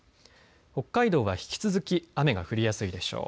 北海道は引き続き雨が降りやすいでしょう。